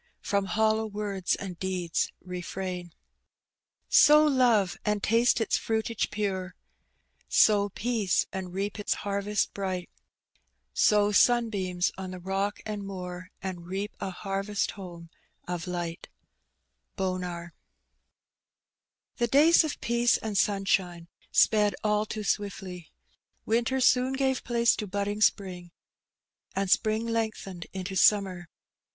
From hollow words and deeds refhuti' Sow love, and tMte its fmitsge pore; Sow peaoo, and reap its hurrest bright i Sow soDbeams od the rook uid moor, And reap a. barrest home of light ^:±^ HE days of peace and Banabine sped all too swiftly. Winter Boon gave place to bodding spring, and spring lengthened into summer.